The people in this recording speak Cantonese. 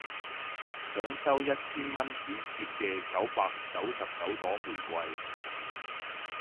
想收一千蚊紙摺嘅九百九十九朵玫瑰